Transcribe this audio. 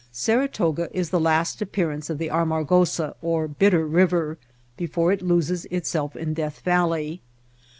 Saratoga is the last appearance of the Arma gosa, or Bitter River, before it loses itself in Death Valley.